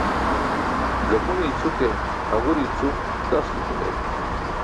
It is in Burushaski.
Ẓakune i̇cʰu ke haġure i̇cʰu dasulo ke leel.